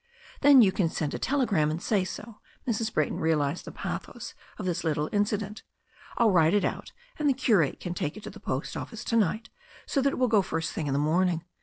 "Then you can send a telegram and say so." Mrs. Bray ton realized the pathos of this little incident. "I'll write it out, and the curate can take it to the post office to night, so that it will go first thing in the morning.